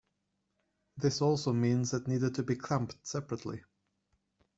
This also means it need not be clamped separately.